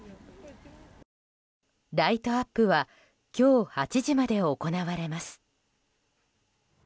ライトアップは今日８時まで行われます。